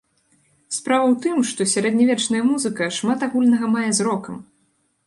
Справа ў тым, што сярэднявечная музыка шмат агульнага мае з рокам.